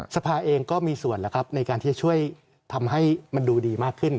สภาเองก็มีส่วนแล้วครับในการที่จะช่วยทำให้มันดูดีมากขึ้น